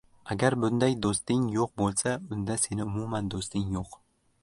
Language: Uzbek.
Agar bunday doʻsting yoʻq boʻlsa, unda seni umuman doʻsting yoʻq.